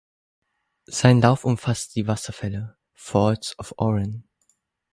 Sein Lauf umfasst die Wasserfälle "Falls of Orrin".